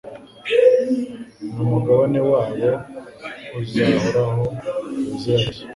n’umugabane wabo uzahoraho ubuziraherezo